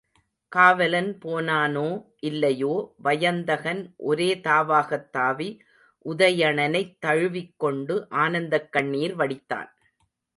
காவலன் போனானோ இல்லையோ, வயந்தகன் ஒரே தாவாகத் தாவி, உதயணனைத் தழுவிக் கொண்டு ஆனந்தக் கண்ணீர் வடித்தான்.